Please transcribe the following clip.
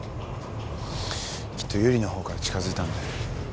きっと由理のほうから近づいたんだよ。